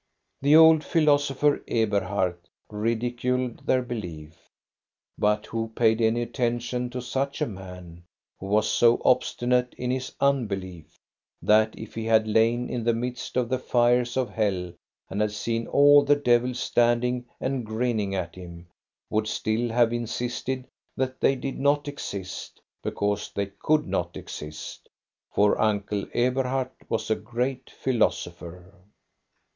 The old philosopher, Eberhard, ridiculed their belief. But who paid any attention to such a man, who was so obstinate in his unbelief that if he had lain in the midst of the fires of hell and had seen all the devils standing and grinning at him, w6uld still have insisted that they did not exist, because they could not exist? — for Uncle Eberhard was a great philosopher.